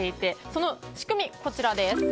その仕組みこちらです。